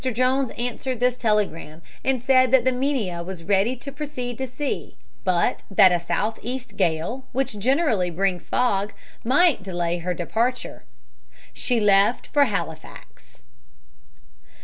Jones answered this telegram, and said that the Minia was ready to proceed to sea, but that a southeast gale, which generally brings fog, might delay her departure. She left for Halifax.